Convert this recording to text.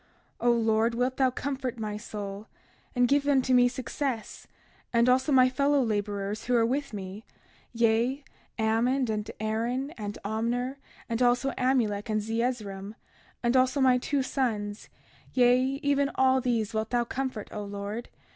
31:32 O Lord, wilt thou comfort my soul, and give unto me success, and also my fellow laborers who are with me—yea, Ammon, and Aaron, and Omner, and also Amulek and Zeezrom and also my two sons—yea, even all these wilt thou comfort, O Lord.